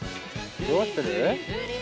どうする？